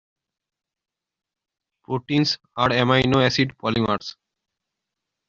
Proteins are amino acid polymers.